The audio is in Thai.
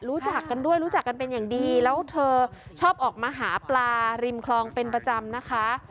รู้จักกันด้วยรู้จักกันเป็นอย่างดีแล้วเธอชอบออกมาหาปลาริมคลองเป็นประจำนะคะ